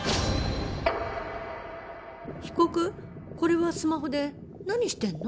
被告これはスマホで何してんの？